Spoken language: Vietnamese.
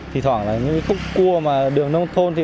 thỉ thoảng là những khúc cua mà đường nông thôn